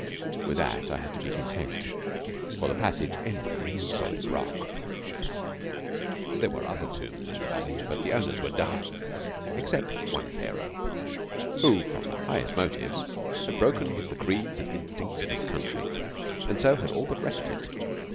With that I had to be content, for the passage ended in solid rock. There were other tombs in the valley, but the owners were dumb, except one Pharaoh, who from the highest motives had broken with the creeds and instincts of his country, and so had all but wrecked it.